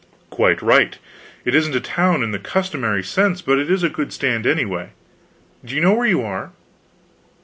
"Quite right. It isn't a town in the customary sense, but it's a good stand, anyway. Do you know where you are?"